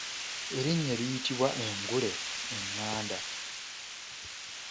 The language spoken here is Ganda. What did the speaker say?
Erinnya eriyitbwa engule eηηanda.